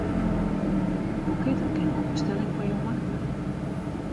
Boeketten kinne op bestelling foar jo makke wurde.